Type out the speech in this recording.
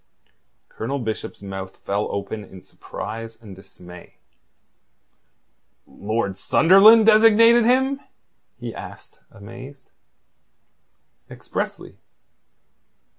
Colonel Bishop's mouth fell open in surprise and dismay. "Lord Sunderland designated him?" he asked, amazed. "Expressly."